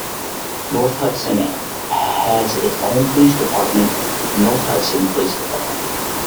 North Hudson has its own Police Department, North Hudson Police Department.